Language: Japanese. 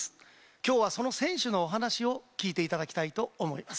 今日はその選手のお話を聞いていただきたいと思います。